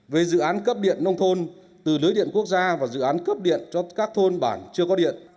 về dự án cấp điện nông thôn từ lưới điện quốc gia và dự án cấp điện cho các thôn bản chưa có điện